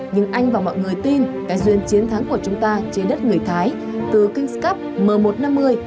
nhưng anh và mọi người tin cái duyên chiến thắng của chúng ta trên đất người thái từ kings cup m một trăm năm mươi